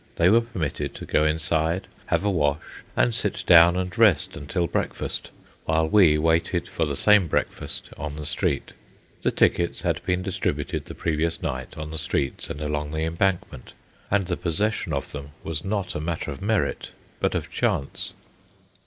They were permitted to go inside, have a wash, and sit down and rest until breakfast, while we waited for the same breakfast on the street. The tickets had been distributed the previous night on the streets and along the Embankment, and the possession of them was not a matter of merit, but of chance.